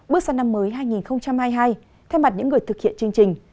bước sang năm mới hai nghìn hai mươi hai thay mặt những người thực hiện chương trình